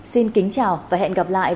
xin kính chào và hẹn gặp lại